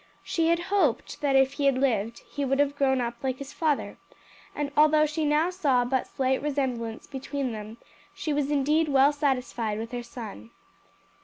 She had hoped that if he had lived he would have grown up like his father, and although she now saw but slight resemblance between them, she was indeed well satisfied with her son.